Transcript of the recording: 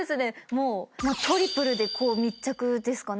トリプルで密着ですかね。